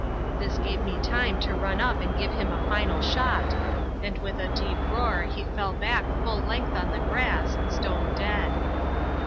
This gave me time to run up and give him a final shot, and with a deep roar he fell back full length on the grass, stone dead.